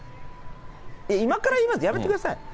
今から言います、やめてください。